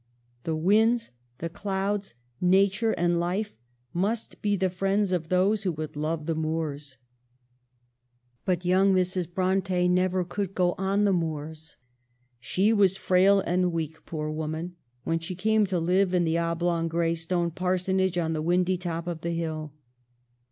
The winds, the clouds, Nature and life, must be the friends of those who would love the moors. But young Mrs. Bronte never could go on the moors. She was frail and weak, poor woman, when she came to live in the oblong gray stone parsonage on the windy top of the hill.